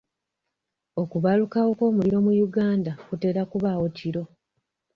Okubalukawo kw'omuliro mu Uganda kutera kubaawo kiro.